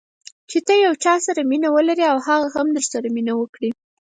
چې ته د یو چا سره مینه ولرې او هغه هم درسره مینه وکړي.